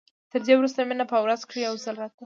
تر دې وروسته مينه په ورځ کښې يو ځل راتله.